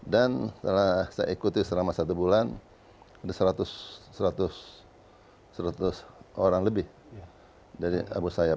setelah saya ikuti selama satu bulan ada seratus orang lebih dari abu sayyaf